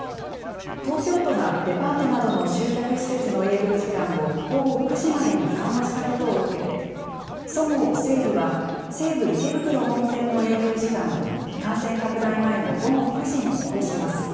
東京都がデパートなどの集客施設の営業時間を午後９時までに緩和したことを受けて、そごう・西武は、西武池袋本店の営業時間を、感染拡大前の午後９時に戻します。